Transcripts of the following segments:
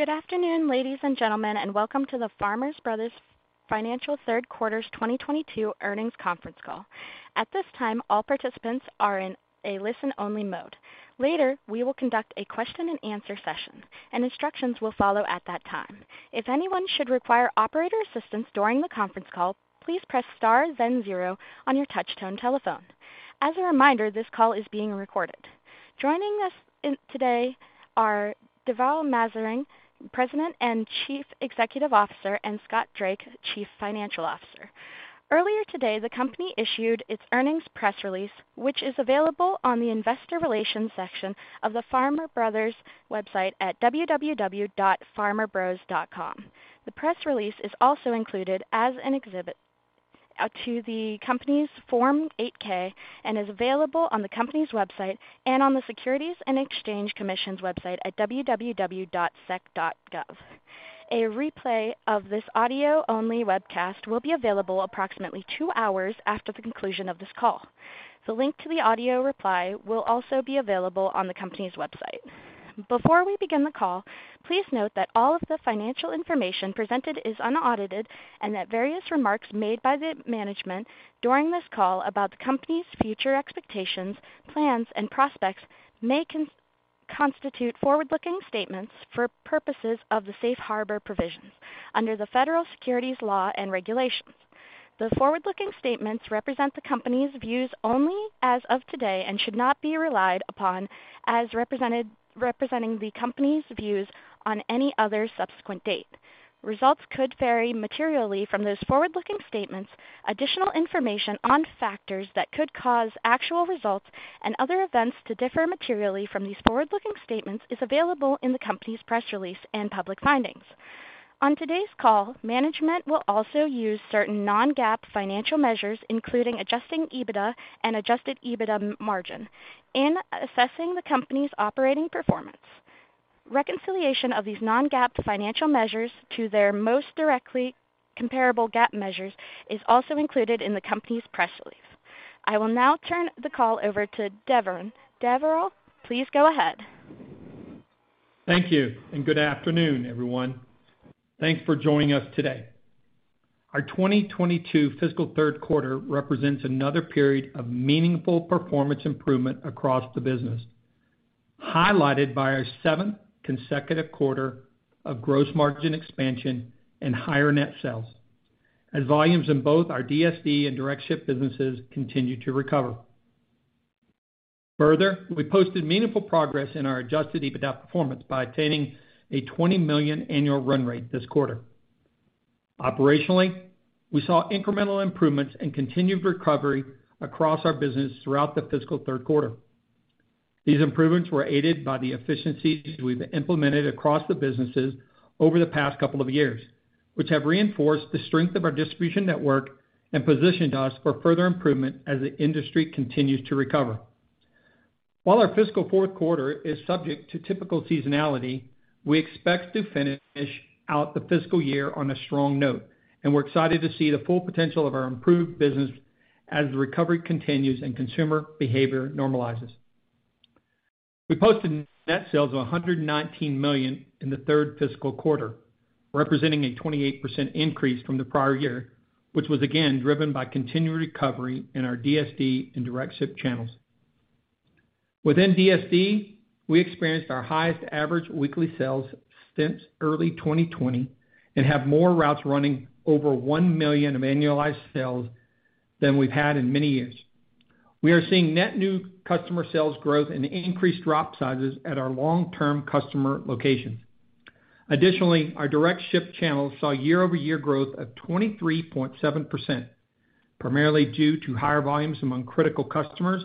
Good afternoon, ladies and gentlemen, and welcome to the Farmer Brothers financial third quarter 2022 earnings conference call. At this time, all participants are in a listen-only mode. Later, we will conduct a question-and-answer session, and instructions will follow at that time. If anyone should require operator assistance during the conference call, please press star then zero on your touchtone telephone. As a reminder, this call is being recorded. Joining us today are Deverl Maserang, President and Chief Executive Officer, and Scott Drake, Chief Financial Officer. Earlier today, the company issued its earnings press release, which is available on the Investor Relations section of the Farmer Brothers website at www.farmerbros.com. The press release is also included as an exhibit to the company's Form 8-K and is available on the company's website and on the Securities and Exchange Commission's website at www.sec.gov. A replay of this audio-only webcast will be available approximately two hours after the conclusion of this call. The link to the audio replay will also be available on the company's website. Before we begin the call, please note that all of the financial information presented is unaudited and that various remarks made by the management during this call about the company's future expectations, plans, and prospects may constitute forward-looking statements for purposes of the safe harbor provisions under the federal securities laws and regulations. The forward-looking statements represent the company's views only as of today and should not be relied upon as representing the company's views on any other subsequent date. Results could vary materially from those forward-looking statements. Additional information on factors that could cause actual results and other events to differ materially from these forward-looking statements is available in the company's press release and public filings. On today's call, management will also use certain non-GAAP financial measures, including adjusted EBITDA and adjusted EBITDA margin, in assessing the company's operating performance. Reconciliation of these non-GAAP financial measures to their most directly comparable GAAP measures is also included in the company's press release. I will now turn the call over to Deverl. Deverl, please go ahead. Thank you, and good afternoon, everyone. Thanks for joining us today. Our 2022 fiscal third quarter represents another period of meaningful performance improvement across the business, highlighted by our seventh consecutive quarter of gross margin expansion and higher net sales, as volumes in both our DSD and direct ship businesses continue to recover. Further, we posted meaningful progress in our adjusted EBITDA performance by attaining a $20 million annual run rate this quarter. Operationally, we saw incremental improvements and continued recovery across our business throughout the fiscal third quarter. These improvements were aided by the efficiencies we've implemented across the businesses over the past couple of years, which have reinforced the strength of our distribution network and positioned us for further improvement as the industry continues to recover. While our fiscal fourth quarter is subject to typical seasonality, we expect to finish out the fiscal year on a strong note, and we're excited to see the full potential of our improved business as the recovery continues and consumer behavior normalizes. We posted net sales of $119 million in the third fiscal quarter, representing a 28% increase from the prior year, which was again driven by continued recovery in our DSD and direct ship channels. Within DSD, we experienced our highest average weekly sales since early 2020 and have more routes running over $1 million of annualized sales than we've had in many years. We are seeing net new customer sales growth and increased drop sizes at our long-term customer locations. Additionally, our direct ship channel saw year-over-year growth of 23.7%, primarily due to higher volumes among critical customers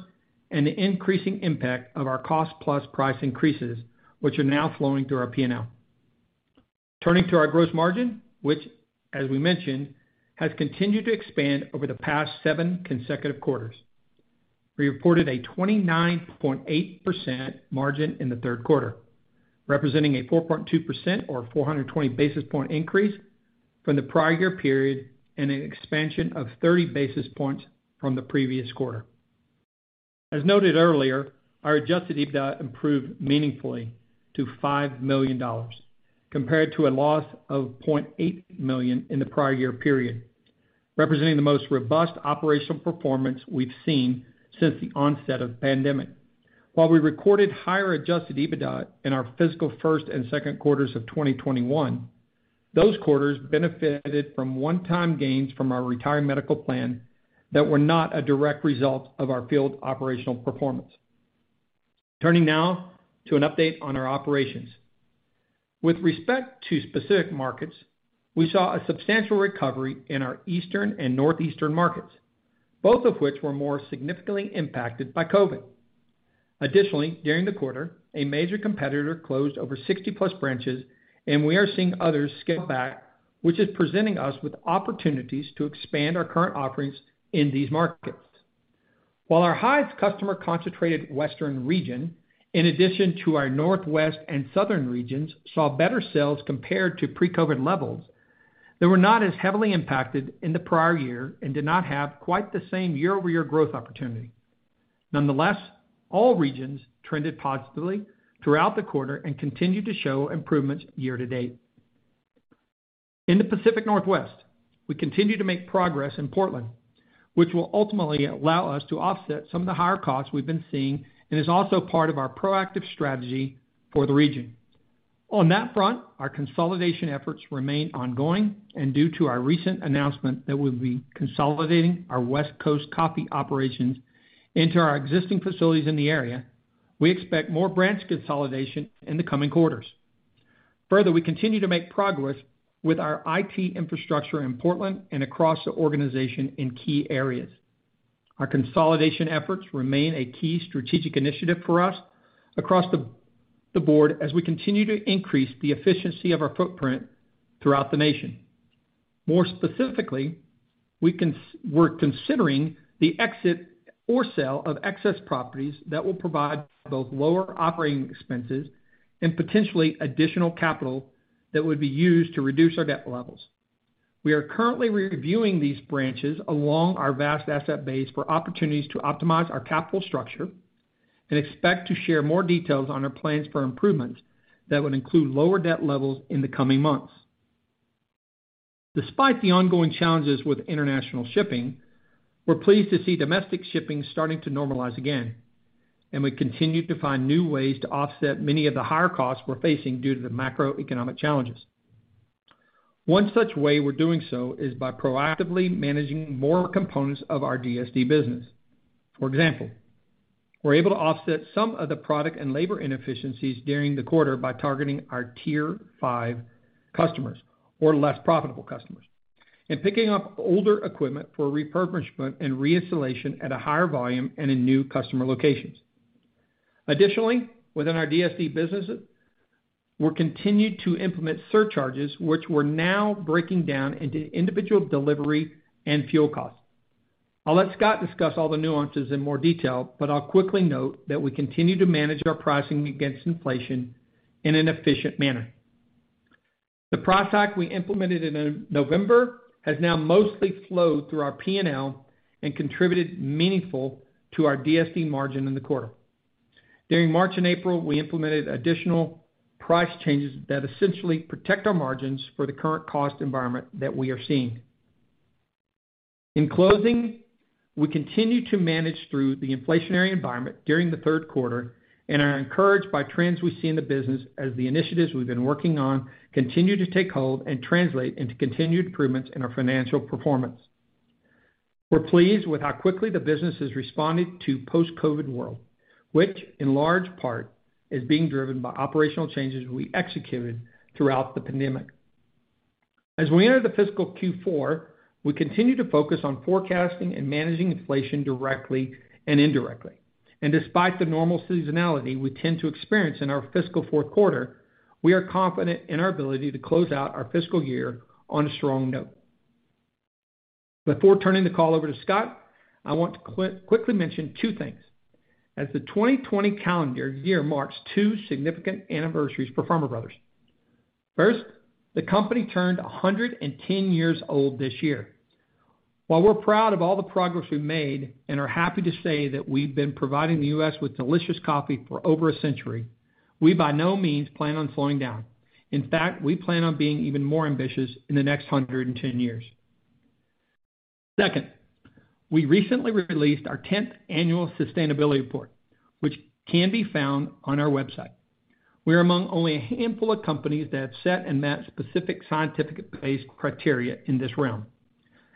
and the increasing impact of our cost-plus price increases, which are now flowing through our P&L. Turning to our gross margin, which, as we mentioned, has continued to expand over the past seven consecutive quarters. We reported a 29.8% margin in the third quarter, representing a 4.2% or 420 basis points increase from the prior year period and an expansion of 30 basis points from the previous quarter. As noted earlier, our adjusted EBITDA improved meaningfully to $5 million, compared to a loss of $0.8 million in the prior year period, representing the most robust operational performance we've seen since the onset of the pandemic. While we recorded higher adjusted EBITDA in our fiscal first and second quarters of 2021, those quarters benefited from one-time gains from our retired medical plan that were not a direct result of our field operational performance. Turning now to an update on our operations. With respect to specific markets, we saw a substantial recovery in our Eastern and Northeastern markets, both of which were more significantly impacted by COVID. Additionally, during the quarter, a major competitor closed over 60+ branches, and we are seeing others scale back, which is presenting us with opportunities to expand our current offerings in these markets. While our highest customer-concentrated Western region, in addition to our Northwest and Southern regions, saw better sales compared to pre-COVID levels, they were not as heavily impacted in the prior year and did not have quite the same year-over-year growth opportunity. Nonetheless, all regions trended positively throughout the quarter and continued to show improvements year-to-date. In the Pacific Northwest, we continue to make progress in Portland, which will ultimately allow us to offset some of the higher costs we've been seeing, and is also part of our proactive strategy for the region. On that front, our consolidation efforts remain ongoing, and due to our recent announcement that we'll be consolidating our West Coast coffee operations into our existing facilities in the area, we expect more branch consolidation in the coming quarters. Further, we continue to make progress with our IT infrastructure in Portland and across the organization in key areas. Our consolidation efforts remain a key strategic initiative for us across the board as we continue to increase the efficiency of our footprint throughout the nation. More specifically, we're considering the exit or sale of excess properties that will provide both lower operating expenses and potentially additional capital that would be used to reduce our debt levels. We are currently reviewing these branches along our vast asset base for opportunities to optimize our capital structure and expect to share more details on our plans for improvements that would include lower debt levels in the coming months. Despite the ongoing challenges with international shipping, we're pleased to see domestic shipping starting to normalize again, and we continue to find new ways to offset many of the higher costs we're facing due to the macroeconomic challenges. One such way we're doing so is by proactively managing more components of our DSD business. For example, we're able to offset some of the product and labor inefficiencies during the quarter by targeting our tier five customers or less profitable customers and picking up older equipment for refurbishment and reinstallation at a higher volume and in new customer locations. Additionally, within our DSD business, we'll continue to implement surcharges, which we're now breaking down into individual delivery and fuel costs. I'll let Scott discuss all the nuances in more detail, but I'll quickly note that we continue to manage our pricing against inflation in an efficient manner. The price hike we implemented in November has now mostly flowed through our P&L and contributed meaningfully to our DSD margin in the quarter. During March and April, we implemented additional price changes that essentially protect our margins for the current cost environment that we are seeing. In closing, we continue to manage through the inflationary environment during the third quarter and are encouraged by trends we see in the business as the initiatives we've been working on continue to take hold and translate into continued improvements in our financial performance. We're pleased with how quickly the business has responded to post-COVID world, which in large part is being driven by operational changes we executed throughout the pandemic. As we enter the fiscal Q4, we continue to focus on forecasting and managing inflation directly and indirectly. Despite the normal seasonality we tend to experience in our fiscal fourth quarter, we are confident in our ability to close out our fiscal year on a strong note. Before turning the call over to Scott, I want to quickly mention two things as the 2020 calendar year marks two significant anniversaries for Farmer Brothers. First, the company turned 110 years old this year. While we're proud of all the progress we've made and are happy to say that we've been providing the U.S. with delicious coffee for over a century, we by no means plan on slowing down. In fact, we plan on being even more ambitious in the next 110 years. Second, we recently released our 10th annual sustainability report, which can be found on our website. We are among only a handful of companies that have set and met specific scientific-based criteria in this realm.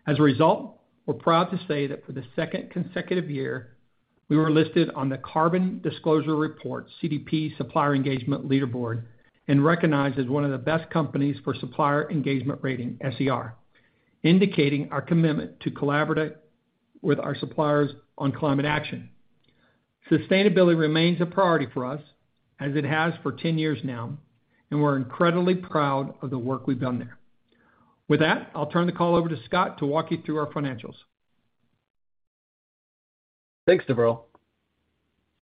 As a result, we're proud to say that for the second consecutive year, we were listed on the Carbon Disclosure Project, CDP Supplier Engagement Leaderboard, and recognized as one of the best companies for supplier engagement rating, SER, indicating our commitment to collaborate with our suppliers on climate action. Sustainability remains a priority for us as it has for 10 years now, and we're incredibly proud of the work we've done there. With that, I'll turn the call over to Scott to walk you through our financials. Thanks, Deverl.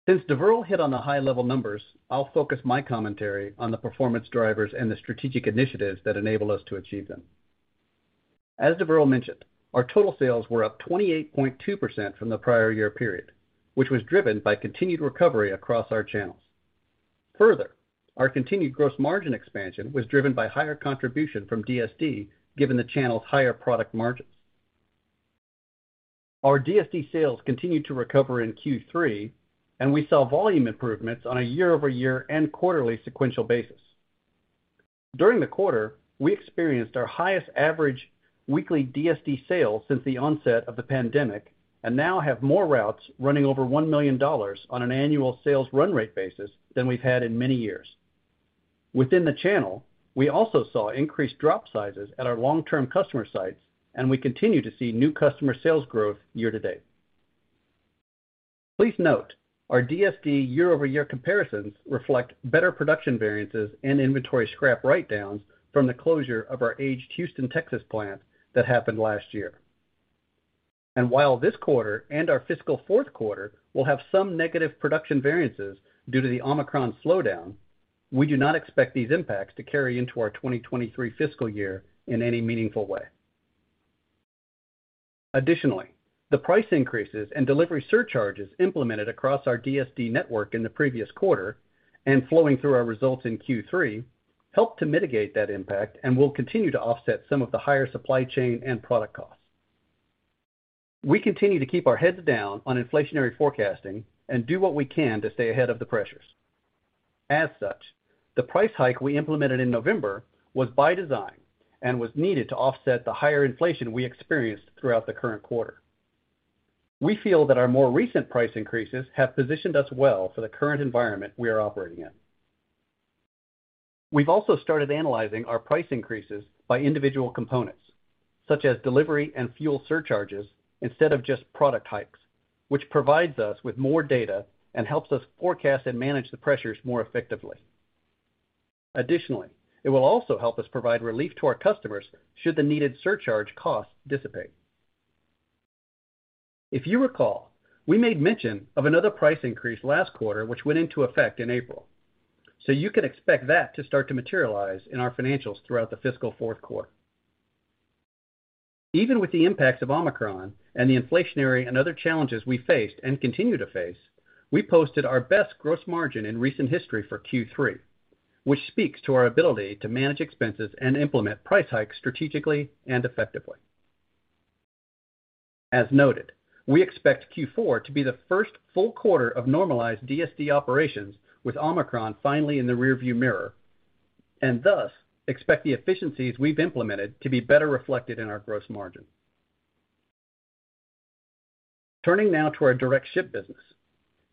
Since Deverl hit on the high level numbers, I'll focus my commentary on the performance drivers and the strategic initiatives that enable us to achieve them. As Deverl mentioned, our total sales were up 28.2% from the prior year period, which was driven by continued recovery across our channels. Further, our continued gross margin expansion was driven by higher contribution from DSD, given the channel's higher product margins. Our DSD sales continued to recover in Q3, and we saw volume improvements on a year-over-year and quarterly sequential basis. During the quarter, we experienced our highest average weekly DSD sales since the onset of the pandemic, and now have more routes running over $1 million on an annual sales run rate basis than we've had in many years. Within the channel, we also saw increased drop sizes at our long-term customer sites, and we continue to see new customer sales growth year-to-date. Please note our DSD year-over-year comparisons reflect better production variances and inventory scrap write-downs from the closure of our aged Houston, Texas plant that happened last year. While this quarter and our fiscal fourth quarter will have some negative production variances due to the Omicron slowdown, we do not expect these impacts to carry into our 2023 fiscal year in any meaningful way. Additionally, the price increases and delivery surcharges implemented across our DSD network in the previous quarter and flowing through our results in Q3 helped to mitigate that impact and will continue to offset some of the higher supply chain and product costs. We continue to keep our heads down on inflationary forecasting and do what we can to stay ahead of the pressures. As such, the price hike we implemented in November was by design and was needed to offset the higher inflation we experienced throughout the current quarter. We feel that our more recent price increases have positioned us well for the current environment we are operating in. We've also started analyzing our price increases by individual components, such as delivery and fuel surcharges, instead of just product hikes, which provides us with more data and helps us forecast and manage the pressures more effectively. Additionally, it will also help us provide relief to our customers should the needed surcharge costs dissipate. If you recall, we made mention of another price increase last quarter, which went into effect in April, so you can expect that to start to materialize in our financials throughout the fiscal fourth quarter. Even with the impacts of Omicron and the inflationary and other challenges we faced and continue to face, we posted our best gross margin in recent history for Q3, which speaks to our ability to manage expenses and implement price hikes strategically and effectively. As noted, we expect Q4 to be the first full quarter of normalized DSD operations with Omicron finally in the rear view mirror, and thus expect the efficiencies we've implemented to be better reflected in our gross margin. Turning now to our direct ship business.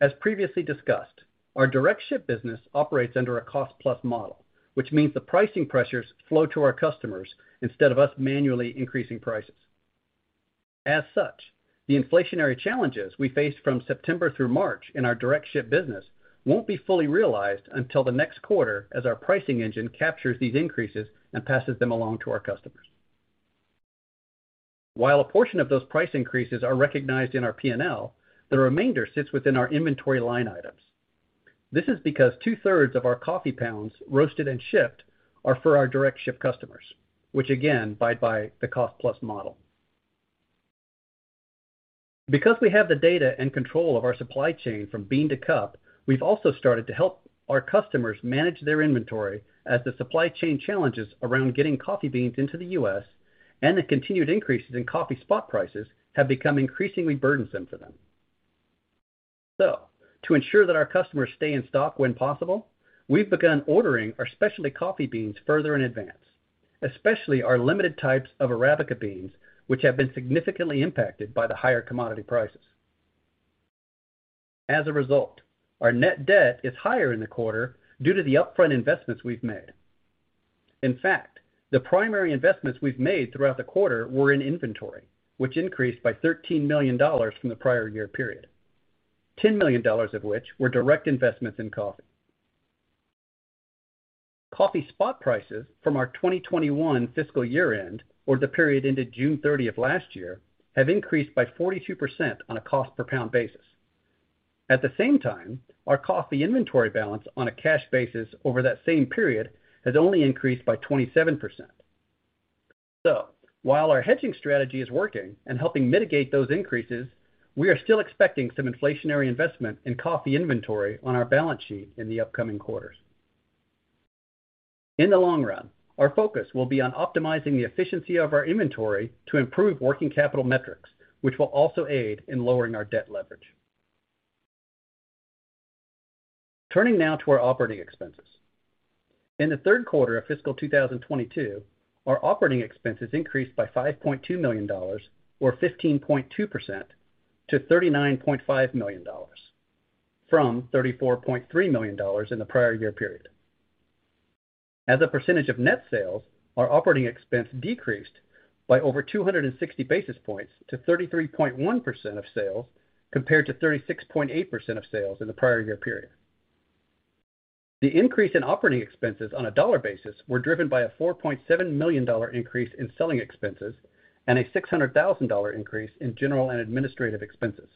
As previously discussed, our direct ship business operates under a cost-plus model, which means the pricing pressures flow to our customers instead of us manually increasing prices. As such, the inflationary challenges we faced from September through March in our direct ship business won't be fully realized until the next quarter as our pricing engine captures these increases and passes them along to our customers. While a portion of those price increases are recognized in our P&L, the remainder sits within our inventory line items. This is because two-thirds of our coffee pounds roasted and shipped are for our direct ship customers, which again abide by the cost-plus model. Because we have the data and control of our supply chain from bean to cup, we've also started to help our customers manage their inventory, as the supply chain challenges around getting coffee beans into the U.S. and the continued increases in coffee spot prices have become increasingly burdensome for them. To ensure that our customers stay in stock when possible, we've begun ordering our specialty coffee beans further in advance, especially our limited types of Arabica beans, which have been significantly impacted by the higher commodity prices. As a result, our net debt is higher in the quarter due to the upfront investments we've made. In fact, the primary investments we've made throughout the quarter were in inventory, which increased by $13 million from the prior year period, $10 million of which were direct investments in coffee. Coffee spot prices from our 2021 fiscal year-end or the period into June 30 of last year have increased by 42% on a cost per pound basis. At the same time, our coffee inventory balance on a cash basis over that same period has only increased by 27%. While our hedging strategy is working and helping mitigate those increases, we are still expecting some inflationary investment in coffee inventory on our balance sheet in the upcoming quarters. In the long run, our focus will be on optimizing the efficiency of our inventory to improve working capital metrics, which will also aid in lowering our debt leverage. Turning now to our operating expenses. In the third quarter of fiscal 2022, our operating expenses increased by $5.2 million or 15.2% to $39.5 million from $34.3 million in the prior year period. As a percentage of net sales, our operating expense decreased by over 260 basis points to 33.1% of sales, compared to 36.8% of sales in the prior year period. The increase in operating expenses on a dollar basis were driven by a $4.7 million dollar increase in selling expenses and a $600,000 dollar increase in general and administrative expenses.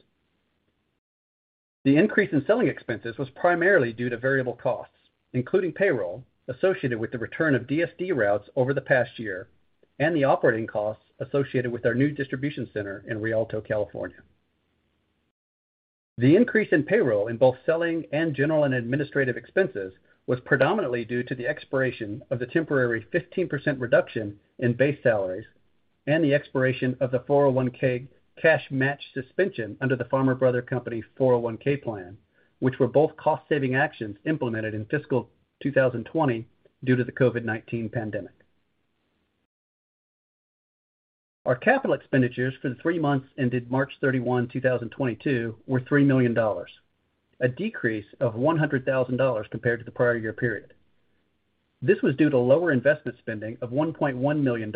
The increase in selling expenses was primarily due to variable costs, including payroll associated with the return of DSD routes over the past year and the operating costs associated with our new distribution center in Rialto, California. The increase in payroll in both selling and general and administrative expenses was predominantly due to the expiration of the temporary 15% reduction in base salaries and the expiration of the 401(k) cash match suspension under the Farmer Brothers 401(k) plan, which were both cost-saving actions implemented in fiscal 2020 due to the COVID-19 pandemic. Our capital expenditures for the three months ended March 31, 2022, were $3 million, a decrease of $100,000 compared to the prior year period. This was due to lower investment spending of $1.1 million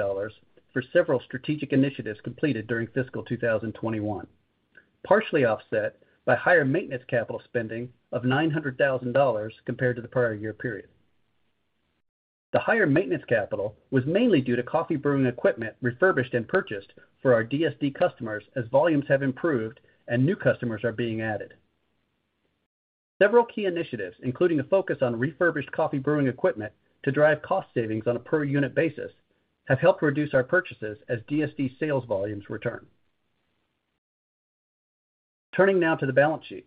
for several strategic initiatives completed during fiscal 2021, partially offset by higher maintenance capital spending of $900,000 compared to the prior year period. The higher maintenance capital was mainly due to coffee brewing equipment refurbished and purchased for our DSD customers as volumes have improved and new customers are being added. Several key initiatives, including a focus on refurbished coffee brewing equipment to drive cost savings on a per-unit basis, have helped reduce our purchases as DSD sales volumes return. Turning now to the balance sheet.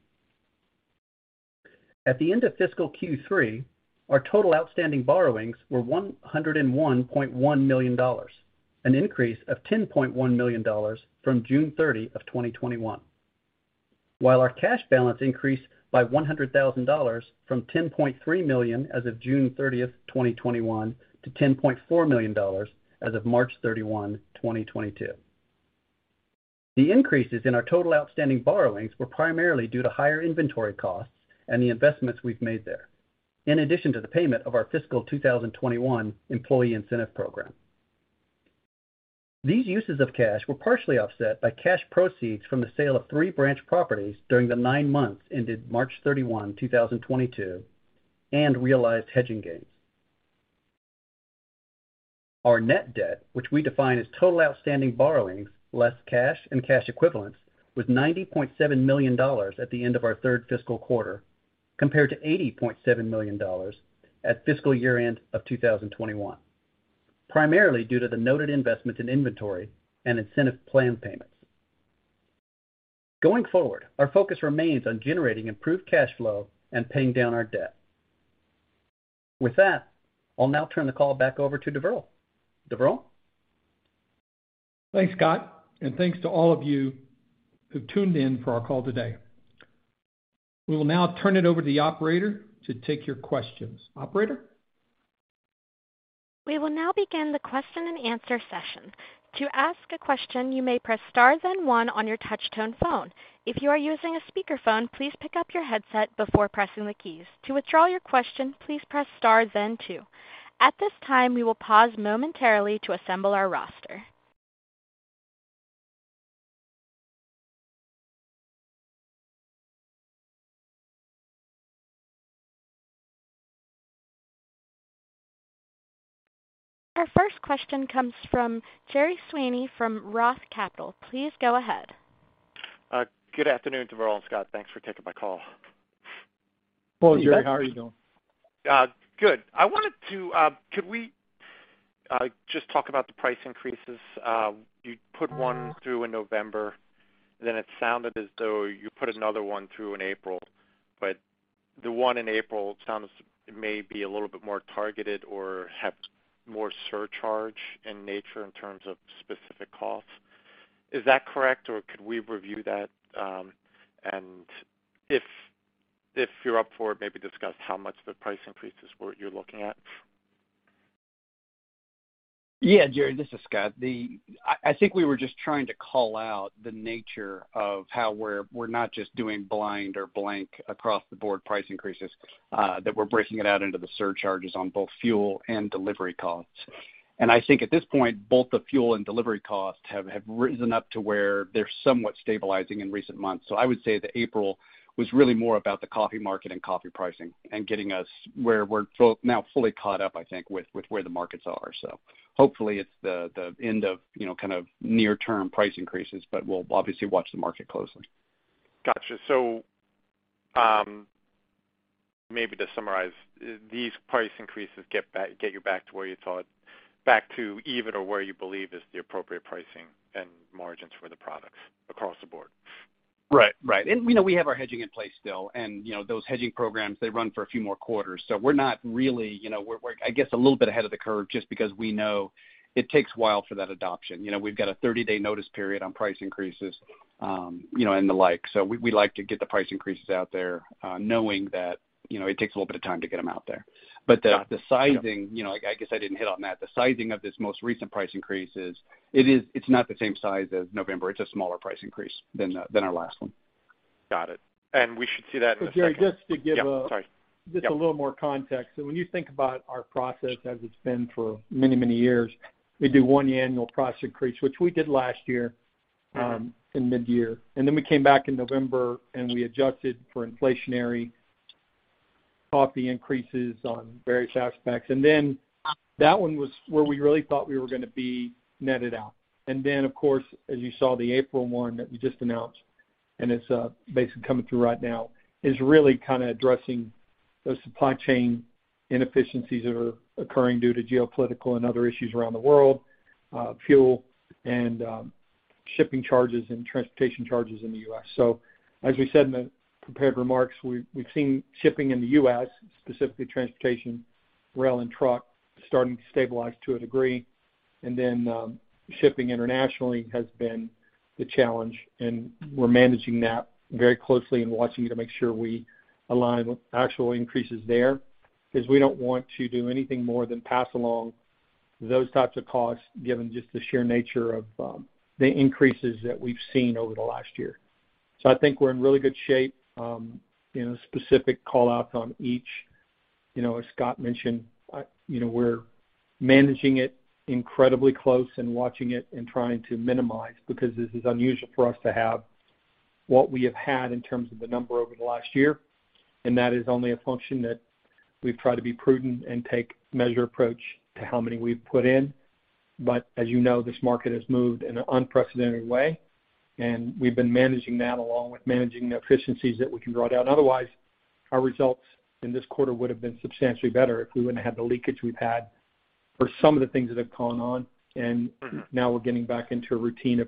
At the end of fiscal Q3, our total outstanding borrowings were $101.1 million, an increase of $10.1 million from June 30, 2021. While our cash balance increased by $100,000 from $10.3 million as of June 30, 2021, to $10.4 million as of March 31, 2022. The increases in our total outstanding borrowings were primarily due to higher inventory costs and the investments we've made there, in addition to the payment of our fiscal 2021 employee incentive program. These uses of cash were partially offset by cash proceeds from the sale of three branch properties during the nine months ended March 31, 2022, and realized hedging gains. Our net debt, which we define as total outstanding borrowings less cash and cash equivalents, was $90.7 million at the end of our third fiscal quarter, compared to $80.7 million at fiscal year-end of 2021, primarily due to the noted investments in inventory and incentive plan payments. Going forward, our focus remains on generating improved cash flow and paying down our debt. With that, I'll now turn the call back over to Deverl. Deverl? Thanks, Scott, and thanks to all of you who tuned in for our call today. We will now turn it over to the operator to take your questions. Operator? We will now begin the question-and-answer session. To ask a question, you may press star then one on your touch tone phone. If you are using a speakerphone, please pick up your headset before pressing the keys. To withdraw your question, please press star then two. At this time, we will pause momentarily to assemble our roster. Our first question comes from Gerry Sweeney from ROTH Capital. Please go ahead. Good afternoon, Deverl and Scott. Thanks for taking my call. Hello, Gerry. How are you doing? Good. Could we just talk about the price increases? You put one through in November, then it sounded as though you put another one through in April, but the one in April sounds like it may be a little bit more targeted or have more surcharge in nature in terms of specific costs. Is that correct, or could we review that, and if you're up for it, maybe discuss how much the price increases were you're looking at? Yeah, Gerry, this is Scott. I think we were just trying to call out the nature of how we're not just doing blind or blanket across the board price increases, that we're breaking it out into the surcharges on both fuel and delivery costs. I think at this point, both the fuel and delivery costs have risen up to where they're somewhat stabilizing in recent months. I would say the April was really more about the coffee market and coffee pricing and getting us where we're fully caught up, I think, with where the markets are. Hopefully it's the end of, you know, kind of near-term price increases, but we'll obviously watch the market closely. Gotcha. Maybe to summarize, these price increases get you back to where you thought, back to even, or where you believe is the appropriate pricing and margins for the products across the board. Right. Right. You know, we have our hedging in place still, and, you know, those hedging programs, they run for a few more quarters. We're not really, you know, I guess, a little bit ahead of the curve just because we know it takes a while for that adoption. You know, we've got a 30-day notice period on price increases, you know, and the like. We like to get the price increases out there, knowing that, you know, it takes a little bit of time to get them out there. Got it. Yeah. The sizing, you know, I guess I didn't hit on that. The sizing of this most recent price increase is, it's not the same size as November. It's a smaller price increase than our last one. Got it. We should see that in a second. Gerry, just to give a- Yeah, sorry. Just a little more context. When you think about our process as it's been for many, many years, we do one annual price increase, which we did last year in mid-year. Then we came back in November, and we adjusted for inflationary coffee increases on various aspects. Then that one was where we really thought we were gonna be netted out. Then, of course, as you saw the April 1 that we just announced, and it's basically coming through right now, is really kinda addressing those supply chain inefficiencies that are occurring due to geopolitical and other issues around the world, fuel and shipping charges and transportation charges in the U.S. As we said in the prepared remarks, we've seen shipping in the U.S., specifically transportation, rail, and truck, starting to stabilize to a degree. Shipping internationally has been the challenge, and we're managing that very closely and watching it to make sure we align with actual increases there as we don't want to do anything more than pass along those types of costs, given just the sheer nature of the increases that we've seen over the last year. I think we're in really good shape, you know, specific call-outs on each. You know, as Scott mentioned, you know, we're managing it incredibly close and watching it and trying to minimize because this is unusual for us to have what we have had in terms of the number over the last year, and that is only a function that we've tried to be prudent and take measured approach to how many we've put in. But as you know, this market has moved in an unprecedented way, and we've been managing that along with managing the efficiencies that we can drive out. Otherwise, our results in this quarter would have been substantially better if we wouldn't have had the leakage we've had for some of the things that have gone on. Now we're getting back into a routine of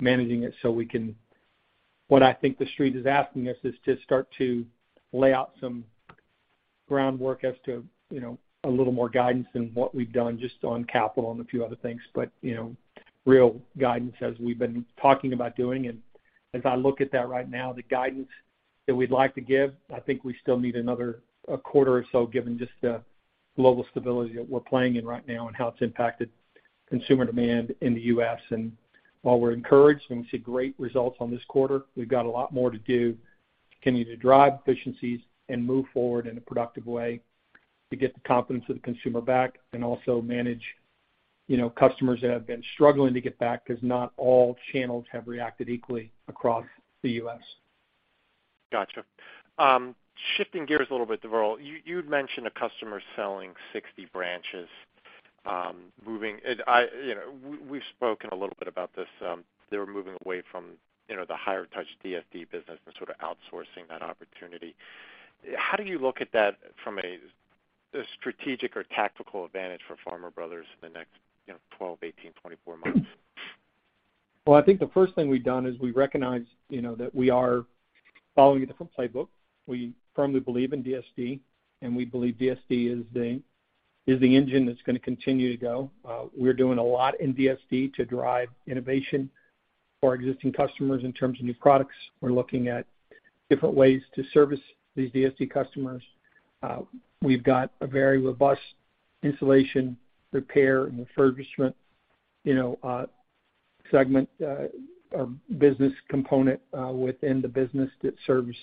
managing it so we can. What I think the Street is asking us is to start to lay out some groundwork as to, you know, a little more guidance than what we've done just on capital and a few other things. You know, real guidance as we've been talking about doing. As I look at that right now, the guidance that we'd like to give, I think we still need another quarter or so, given just the global stability that we're playing in right now and how it's impacted consumer demand in the U.S. While we're encouraged and we see great results on this quarter, we've got a lot more to do, continue to drive efficiencies, and move forward in a productive way to get the confidence of the consumer back, and also manage, you know, customers that have been struggling to get back because not all channels have reacted equally across the U.S. Got you. Shifting gears a little bit, Deverl, you'd mentioned a customer selling 60 branches, moving. You know, we've spoken a little bit about this. They were moving away from, you know, the higher-touch DSD business and sort of outsourcing that opportunity. How do you look at that from a strategic or tactical advantage for Farmer Brothers in the next, you know, 12, 18, 24 months? Well, I think the first thing we've done is we recognize, you know, that we are following a different playbook. We firmly believe in DSD, and we believe DSD is the engine that's gonna continue to go. We're doing a lot in DSD to drive innovation for our existing customers in terms of new products. We're looking at different ways to service these DSD customers. We've got a very robust installation, repair, and refurbishment, you know, segment, or business component, within the business that serves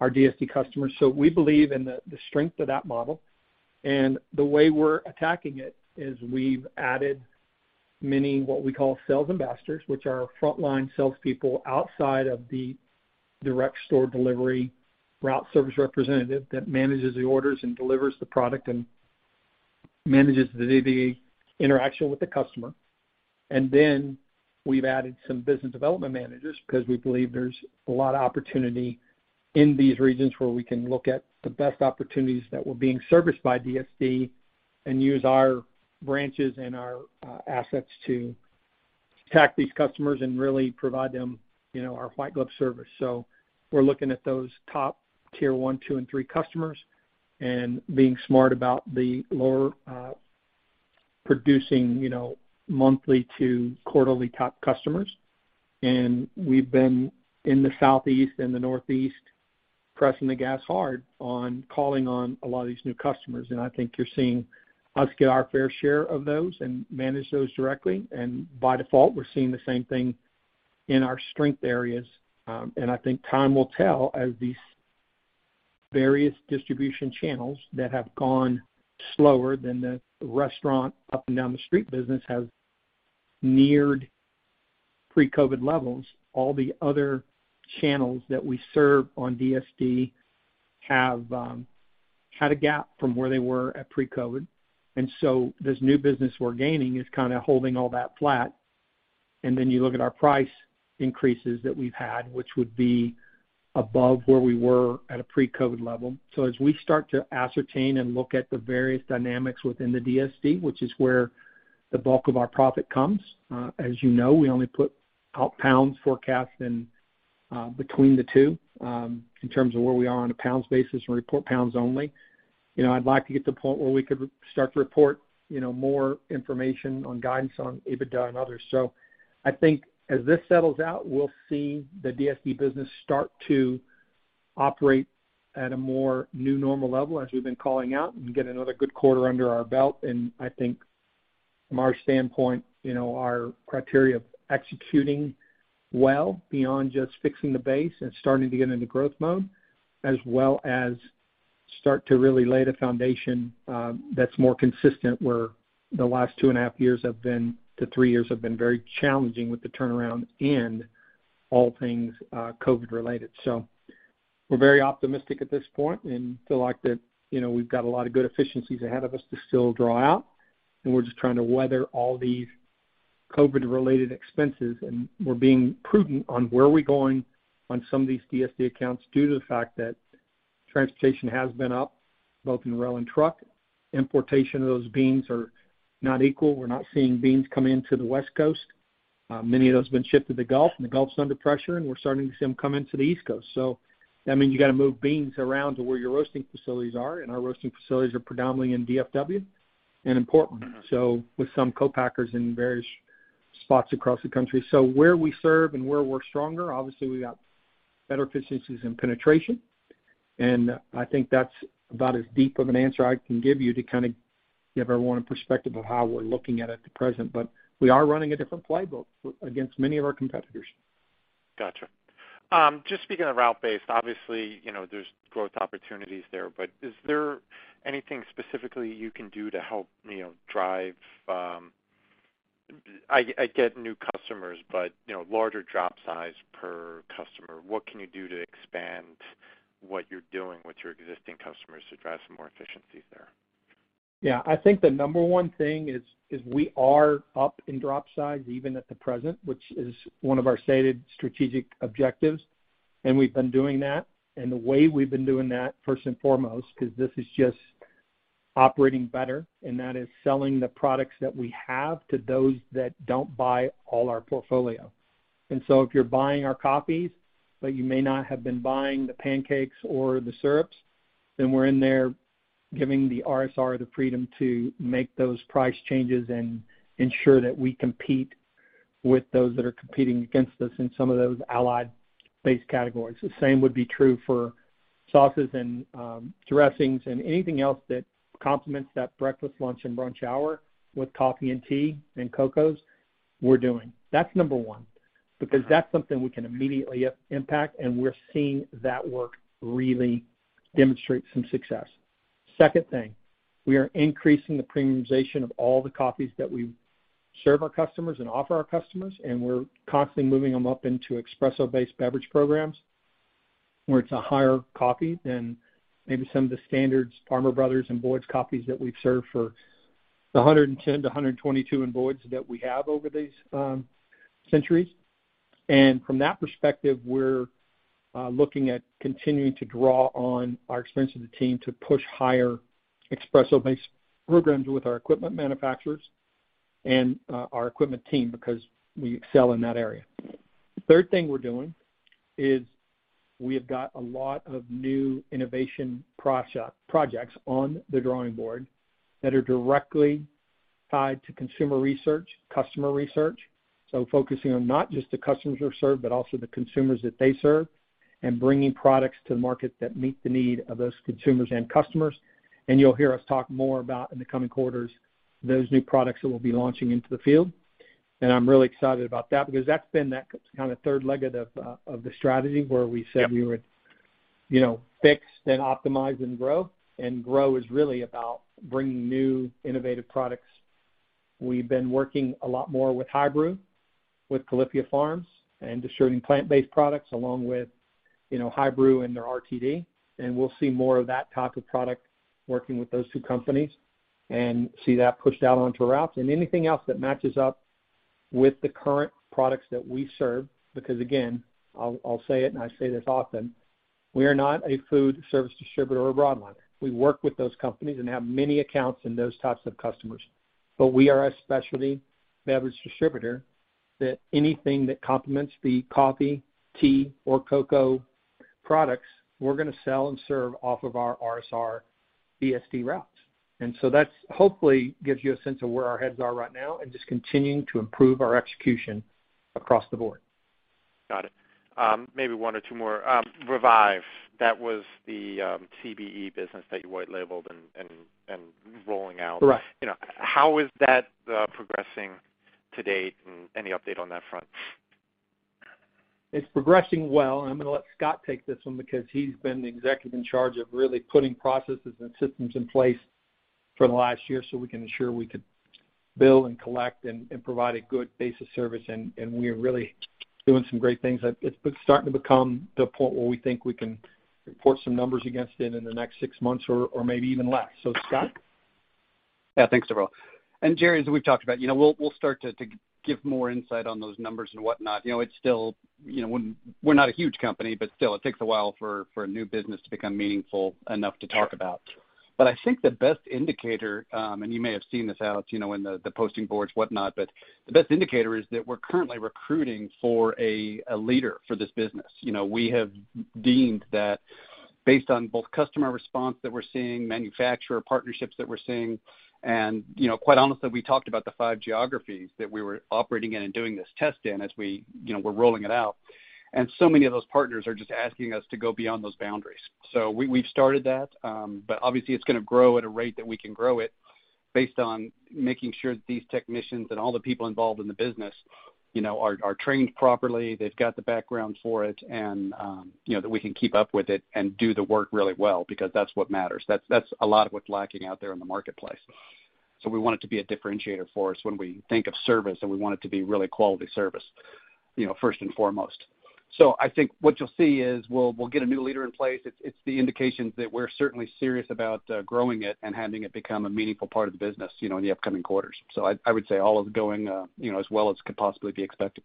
our DSD customers. We believe in the strength of that model. The way we're attacking it is we've added many what we call sales ambassadors, which are frontline salespeople outside of the direct-store delivery route service representative that manages the orders and delivers the product, and manages the day-to-day interaction with the customer. We've added some business development managers because we believe there's a lot of opportunity in these regions where we can look at the best opportunities that were being serviced by DSD and use our branches and our assets to attack these customers and really provide them, you know, our white glove service. We're looking at those top-tier one, two, and three customers and being smart about the lower-producing, you know, monthly to quarterly top customers. We've been in the Southeast and the Northeast pressing the gas hard on calling on a lot of these new customers. I think you're seeing us get our fair share of those and manage those directly. By default, we're seeing the same thing in our strength areas. I think time will tell as these various distribution channels that have gone slower than the restaurant up and down the street business has neared pre-COVID levels. All the other channels that we serve on DSD have had a gap from where they were at pre-COVID. This new business we're gaining is kind of holding all that flat. You look at our price increases that we've had, which would be above where we were at a pre-COVID level. As we start to ascertain and look at the various dynamics within the DSD, which is where the bulk of our profit comes, as you know, we only put out pounds forecast and between the two, in terms of where we are on a pounds basis, and report pounds only. You know, I'd like to get to a point where we could start to report, you know, more information on guidance on EBITDA and others. I think as this settles out, we'll see the DSD business start to operate at a more new normal level as we've been calling out and get another good quarter under our belt. I think from our standpoint, you know, our criteria of executing well beyond just fixing the base and starting to get into growth mode, as well as start to really lay the foundation, that's more consistent, where the last two and a half to three years have been very challenging with the turnaround and all things, COVID-related. We're very optimistic at this point and feel like that, you know, we've got a lot of good efficiencies ahead of us to still draw out, and we're just trying to weather all these COVID-related expenses, and we're being prudent on where we're going on some of these DSD accounts due to the fact that transportation has been up, both in rail and truck. Importation of those beans are not equal. We're not seeing beans come into the West Coast. Many of those have been shipped to the Gulf, and the Gulf's under pressure, and we're starting to see them come into the East Coast. That means you got to move beans around to where your roasting facilities are, and our roasting facilities are predominantly in DFW and in Portland, so with some co-packers in various spots across the country. Where we serve and where we're stronger, obviously, we've got better efficiencies and penetration. I think that's about as deep of an answer I can give you to kind of give everyone a perspective of how we're looking at it at the present. We are running a different playbook against many of our competitors. Got you. Just speaking of route-based, obviously, you know, there's growth opportunities there, but is there anything specifically you can do to help, you know, drive, I get new customers, but, you know, larger drop size per customer. What can you do to expand what you're doing with your existing customers to drive some more efficiencies there? Yeah. I think the number one thing is we are up in drop size even at the present, which is one of our stated strategic objectives, and we've been doing that. The way we've been doing that, first and foremost, 'cause this is just operating better, and that is selling the products that we have to those that don't buy all our portfolio. If you're buying our coffees, but you may not have been buying the pancakes or the syrups, then we're in there giving the RSR the freedom to make those price changes and ensure that we compete with those that are competing against us in some of those allied-based categories. The same would be true for sauces and, dressings and anything else that complements that breakfast, lunch, and brunch hour with coffee, and tea, and cocoas we're doing. That's number one, because that's something we can immediately impact, and we're seeing that work really demonstrate some success. Second thing, we are increasing the premiumization of all the coffees that we serve our customers and offer our customers, and we're constantly moving them up into espresso-based beverage programs, where it's a higher coffee than maybe some of the standards Farmer Brothers and Boyd's coffees that we've served for the 110, the 122 in Boyd's that we have over these centuries. From that perspective, we're looking at continuing to draw on our experience as a team to push higher espresso-based programs with our equipment manufacturers and our equipment team because we excel in that area. Third thing we're doing is we have got a lot of new innovation projects on the drawing board that are directly tied to consumer research, customer research. Focusing on not just the customers we serve, but also the consumers that they serve, and bringing products to the market that meet the need of those consumers and customers. You'll hear us talk more about, in the coming quarters, those new products that we'll be launching into the field. I'm really excited about that because that's been that kind of third leg of the strategy where we said we would, you know, fix, then optimize and grow. Grow is really about bringing new innovative products. We've been working a lot more with High Brew, with Califia Farms, and distributing plant-based products along with, you know, High Brew and their RTD. We'll see more of that type of product working with those two companies and see that pushed out onto routes. Anything else that matches up with the current products that we serve, because again, I'll say it, and I say this often, we are not a food service distributor or a broadliner. We work with those companies and have many accounts in those types of customers. We are a specialty beverage distributor that anything that complements the coffee, tea, or cocoa products, we're gonna sell and serve off of our RSR DSD routes. That's hopefully gives you a sense of where our heads are right now and just continuing to improve our execution across the board. Got it. Maybe one or two more. Revive, that was the CBE business that you white-labeled and rolling out. Right. You know, how is that progressing to date, and any update on that front? It's progressing well. I'm gonna let Scott take this one because he's been the executive in charge of really putting processes and systems in place for the last year, so we can ensure we could bill and collect and provide a good base of service. We're really doing some great things. It's starting to become the point where we think we can report some numbers against it in the next six months or maybe even less. Scott? Yeah. Thanks, Deverl. Gerry, as we've talked about, you know, we'll start to give more insight on those numbers and whatnot. You know, it's still you know, when we're not a huge company, but still it takes a while for a new business to become meaningful enough to talk about. I think the best indicator, and you may have seen this out, you know, in the posting boards, whatnot, but the best indicator is that we're currently recruiting for a leader for this business. You know, we have deemed that based on both customer response that we're seeing, manufacturer partnerships that we're seeing, and you know, quite honestly, we talked about the five geographies that we were operating in and doing this test in as we, you know, we're rolling it out. Many of those partners are just asking us to go beyond those boundaries. We've started that, but obviously it's gonna grow at a rate that we can grow it based on making sure that these technicians and all the people involved in the business, you know, are trained properly, they've got the background for it, and, you know, that we can keep up with it and do the work really well because that's what matters. That's a lot of what's lacking out there in the marketplace. We want it to be a differentiator for us when we think of service, and we want it to be really quality service, you know, first and foremost. I think what you'll see is we'll get a new leader in place. It's the indications that we're certainly serious about growing it and having it become a meaningful part of the business, you know, in the upcoming quarters. I would say all is going, you know, as well as could possibly be expected.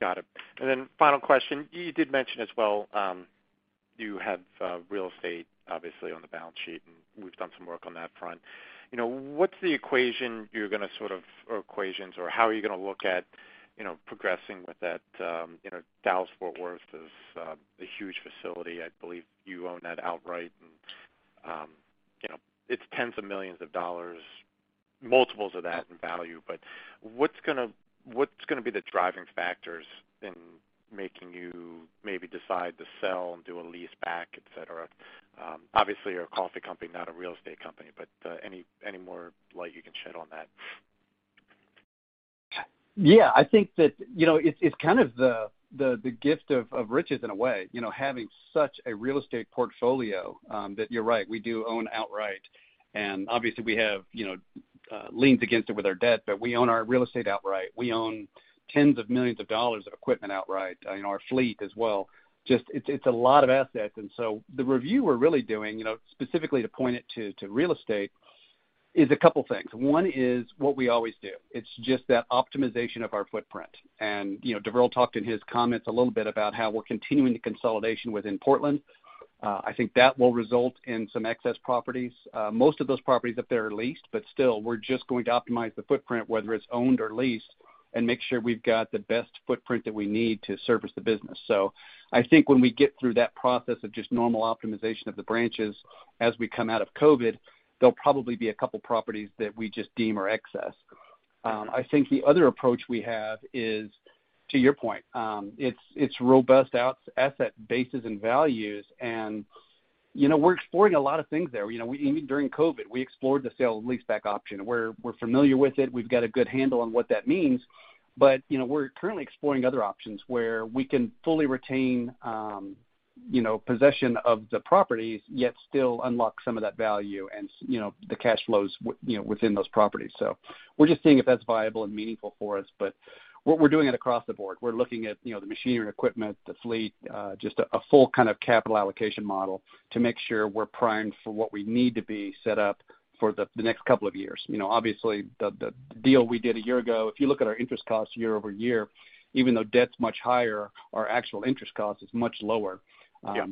Got it. Final question. You did mention as well, you have real estate obviously on the balance sheet, and we've done some work on that front. You know, what's the equation you're gonna sort of, or equations, or how are you gonna look at, you know, progressing with that? You know, Dallas-Fort Worth is a huge facility. I believe you own that outright and, you know, it's $ tens of millions, multiples of that in value. But what's gonna be the driving factors in making you maybe decide to sell and do a lease back, et cetera? Obviously, you're a coffee company, not a real estate company, but any more light you can shed on that? Yeah. I think that, you know, it's kind of the gift of riches in a way. You know, having such a real estate portfolio, that you're right, we do own outright. And obviously, we have, you know, leaned against it with our debt, but we own our real estate outright. We own $tens of millions of equipment outright, in our fleet as well. Just it's a lot of assets. The review we're really doing, you know, specifically to point it to real estate, is a couple things. One is what we always do. It's just that optimization of our footprint. You know, Deverl talked in his comments a little bit about how we're continuing the consolidation within Portland. I think that will result in some excess properties. Most of those properties up there are leased, but still, we're just going to optimize the footprint, whether it's owned or leased, and make sure we've got the best footprint that we need to service the business. I think when we get through that process of just normal optimization of the branches as we come out of COVID, there'll probably be a couple properties that we just deem are excess. I think the other approach we have is, to your point, it's robust our asset bases and values, and, you know, we're exploring a lot of things there. You know, even during COVID, we explored the sale and leaseback option. We're familiar with it. We've got a good handle on what that means. You know, we're currently exploring other options where we can fully retain, you know, possession of the properties, yet still unlock some of that value and, you know, the cash flows within those properties. We're just seeing if that's viable and meaningful for us. What we're doing is across the board. We're looking at, you know, the machinery and equipment, the fleet, just a full kind of capital allocation model to make sure we're primed for what we need to be set up for the next couple of years. You know, obviously, the deal we did a year ago, if you look at our interest costs year-over-year, even though debt's much higher, our actual interest cost is much lower. Yeah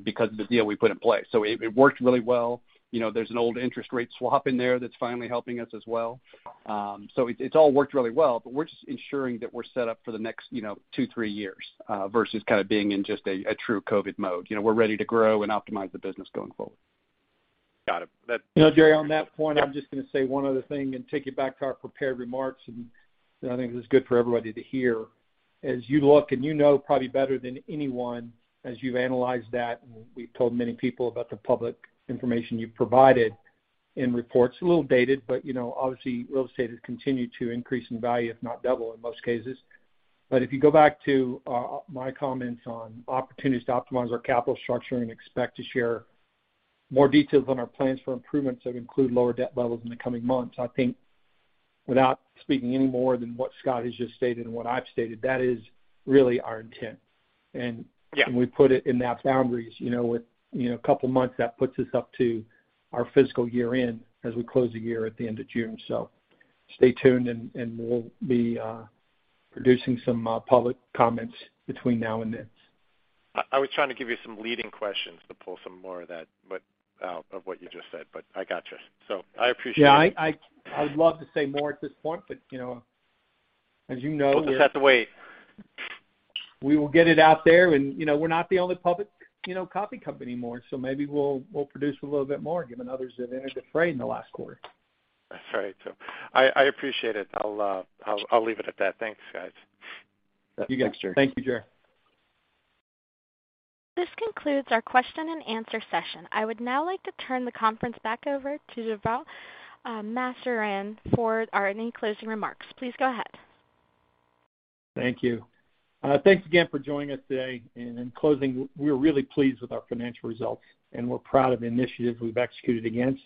Because of the deal we put in place. It worked really well. You know, there's an old interest rate swap in there that's finally helping us as well. It's all worked really well, but we're just ensuring that we're set up for the next, you know, two, three years, versus kind of being in just a true COVID mode. You know, we're ready to grow and optimize the business going forward. Got it. You know, Gerry, on that point, I'm just gonna say one other thing and take it back to our prepared remarks, and I think this is good for everybody to hear. As you look, and you know probably better than anyone as you've analyzed that, and we've told many people about the public information you've provided in reports. A little dated, but, you know, obviously real estate has continued to increase in value, if not double in most cases. If you go back to my comments on opportunities to optimize our capital structure and expect to share more details on our plans for improvements that include lower debt levels in the coming months, I think without speaking any more than what Scott has just stated and what I've stated, that is really our intent. Yeah we put it in that boundaries. You know, with, you know, a couple months, that puts us up to our fiscal year-end as we close the year at the end of June. Stay tuned and we'll be producing some public comments between now and then. I was trying to give you some leading questions to pull some more of that, but of what you just said, but I gotcha. I appreciate it. Yeah, I would love to say more at this point, but you know, as you know. We'll just have to wait. We will get it out there and, you know, we're not the only public, you know, coffee company anymore, so maybe we'll produce a little bit more given others have entered the fray in the last quarter. That's right. I appreciate it. I'll leave it at that. Thanks, guys. You got it. Thanks, Gerry. Thank you, Gerry. This concludes our question-and-answer session. I would now like to turn the conference back over to Deverl Maserang for any closing remarks. Please go ahead. Thank you. Thanks again for joining us today. In closing, we're really pleased with our financial results, and we're proud of the initiatives we've executed against,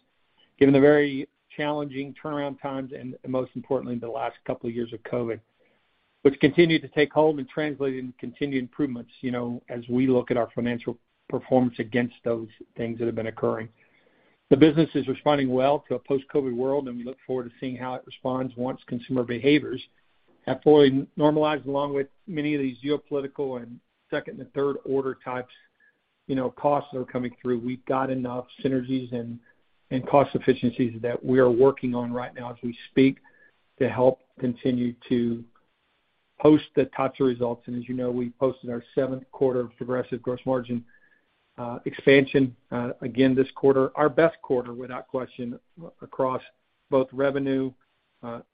given the very challenging turnaround times, and most importantly, the last couple of years of COVID, which continued to take hold and translated into continued improvements, you know, as we look at our financial performance against those things that have been occurring. The business is responding well to a post-COVID world, and we look forward to seeing how it responds once consumer behaviors have fully normalized, along with many of these geopolitical and second and third-order types, you know, costs that are coming through. We've got enough synergies and cost efficiencies that we are working on right now as we speak to help continue to post the types of results. As you know, we posted our seventh quarter of progressive gross margin expansion again this quarter. Our best quarter, without question, across both revenue,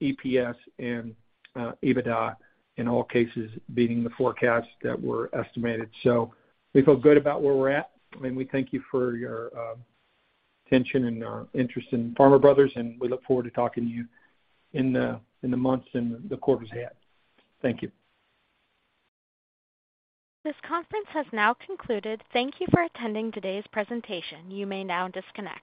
EPS and EBITDA, in all cases beating the forecasts that were estimated. We feel good about where we're at. I mean, we thank you for your attention and your interest in Farmer Brothers, and we look forward to talking to you in the months and the quarters ahead. Thank you. This conference has now concluded. Thank you for attending today's presentation. You may now disconnect.